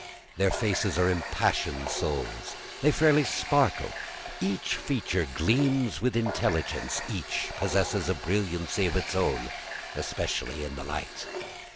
Their faces are impassioned souls; they fairly sparkle; each feature gleams with intelligence; each possesses a brilliancy of its own, especially in the light.